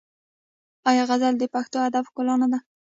آیا غزل د پښتو ادب ښکلا نه ده؟